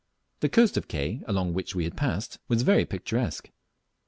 The coast of Ke along which we had passed was very picturesque.